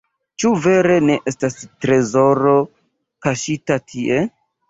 Ĉu vere ne estas trezoro, kaŝita tie?